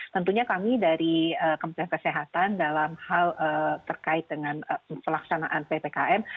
tentunya kami dari kementerian kesehatan dalam hal terkait dengan pelaksanaan ppkm